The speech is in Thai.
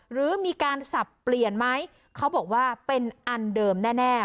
หรือมีการสับเปลี่ยนไหมเขาบอกว่าเป็นอันเดิมแน่